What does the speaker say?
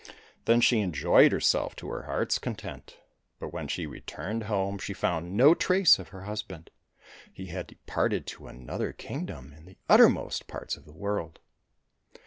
Then she enjoyed herself to her heart's con tent, but when she returned home she found no trace of her husband — he had departed to another kingdom in the uttermost parts of the world.